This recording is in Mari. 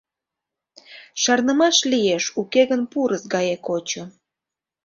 Шарнымаш лиеш уке гын пурыс гае кочо.